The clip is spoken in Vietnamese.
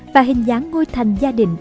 và hình dáng ngôi thành gia đình